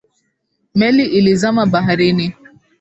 Meli ilizama baharini